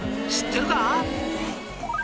「知ってるか？」